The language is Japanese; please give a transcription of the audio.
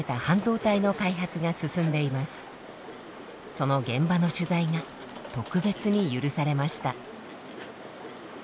その現場の取材が特別に許されました。